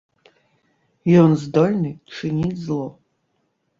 Ён здольны чыніць зло.